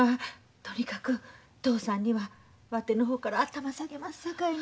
とにかく嬢さんにはわての方から頭下げますさかいに。